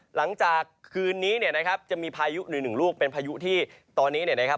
หลังจากคืนนี้เนี่ยนะครับจะมีพายุหนึ่งลูกเป็นพายุที่ตอนนี้เนี่ยนะครับ